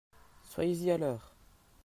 Soyez-y à l'heure !